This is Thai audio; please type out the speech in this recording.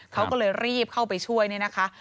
เขาก็เลยรีบเข้าไปช่วยเนี่ยนะคะ